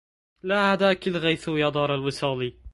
لا عداكِ الغيث يا دار الوصالِ